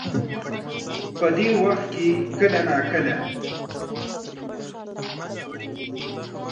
په دې وخت کې کله نا کله